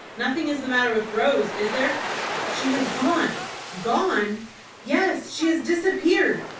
"Nothing is the matter with Rose, is there?" "She has gone." "Gone!" "Yes, she has disappeared."